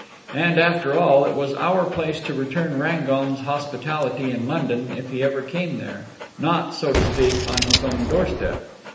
And, after all, it was our place to return Rangon's hospitality in London if he ever came there, not, so to speak, on his own doorstep....